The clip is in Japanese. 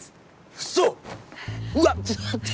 ウソ⁉うわちょっと待って！